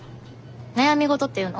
悩み事っていうの？